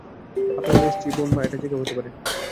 আপনার মেয়ে, স্ত্রী, বোন, মা, এটা যে কেউ হতে পারে।